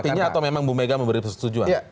itu artinya atau memang bu mega memberikan persetujuan